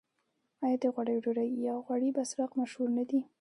آیا د غوړیو ډوډۍ یا غوړي بسراق مشهور نه دي؟